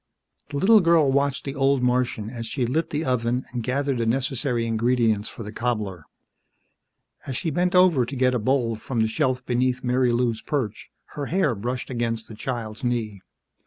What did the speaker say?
The little girl watched the old Martian as she lit the oven and gathered the necessary ingredients for the cobbler. As she bent over to get a bowl from the shelf beneath Marilou's perch, her hair brushed against the child's knee.